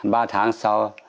ba tháng sau